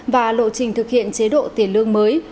và lộ trình thực hiện chế độ tiền lương mới